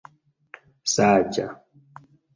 saĝa